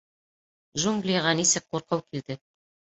ДЖУНГЛИҒА НИСЕК ҠУРҠЫУ КИЛДЕ